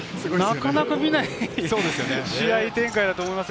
なかなか見ない試合展開だと思います。